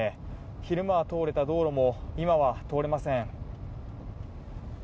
昼間は通れた道路も今は通れません。